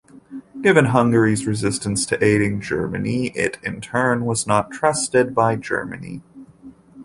Given Hungary's resistance to aiding Germany, it in turn was not trusted by Germany.